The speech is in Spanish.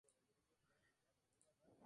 Cabo Campbell: líder del equipo de Fuego.